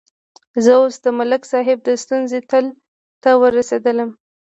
زه اوس د ملک صاحب د ستونزې تل ته ورسېدلم.